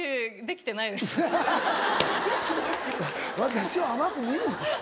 「私を甘く見るな」と。